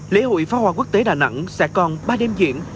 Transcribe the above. lễ hội phá hoa quốc tế đà nẵng sẽ còn ba đêm diễn